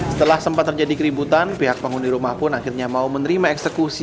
setelah sempat terjadi keributan pihak penghuni rumah pun akhirnya mau menerima eksekusi